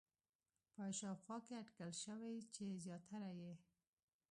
په شاوخوا کې اټکل شوی چې زیاتره یې